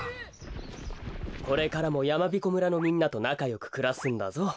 これからもやまびこ村のみんなとなかよくくらすんだぞ。